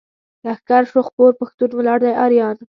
لښکر شو خپور پښتون ولاړ دی اریان.